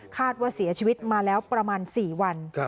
ว่าเสียชีวิตมาแล้วประมาณ๔วัน